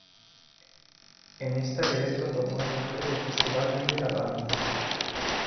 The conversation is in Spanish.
En esta el evento tomó el nombre de "Festival Vive la Danza".